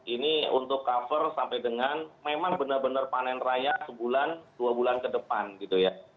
ini untuk cover sampai dengan memang benar benar panen raya sebulan dua bulan ke depan gitu ya